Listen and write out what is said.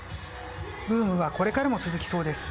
ブームはこれからも続きそうです。